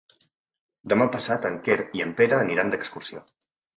Demà passat en Quer i en Pere aniran d'excursió.